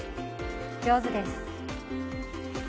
上手です。